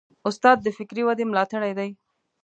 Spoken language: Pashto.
استاد د فکري ودې ملاتړی دی.